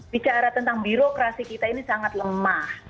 bicara tentang birokrasi kita ini sangat lemah